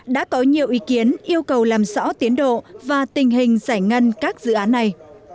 đã có nhiều ý kiến yêu cầu làm rõ tiến độ và tình hình giải ngân các dự án này